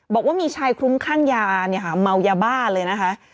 บอกว่ามีชายคลุ้มข้างยาเมายาบ้าเลยนะคะ